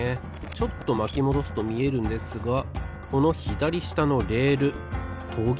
ちょっとまきもどすとみえるんですがこのひだりしたのレールとぎれてるんです。